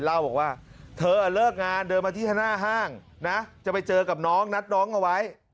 เล่าบอกว่าเธอเลิกงานเดินมาที่หน้าห้างนะจะไปเจอกับน้องนัดน้องเอาไว้